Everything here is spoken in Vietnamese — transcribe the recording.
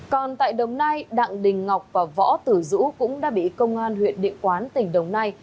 còn tại đồng nai đặng đình ngọc và võ tử dũ cũng đã bị công an huyện địa quán tỉnh đồng nai